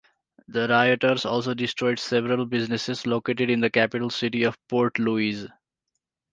The rioters also destroyed several businesses located in the capital city of Port Louis.